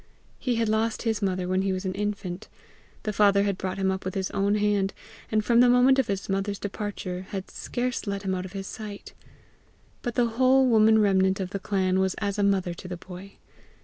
He had lost his mother when he was an infant; the father had brought him up with his own hand, and from the moment of his mother's departure had scarce let him out of his sight; but the whole woman remnant of the clan was as a mother to the boy.